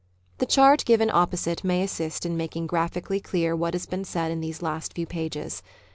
The chart given opposite may assist in making graphically clear what has been said in these last few pages.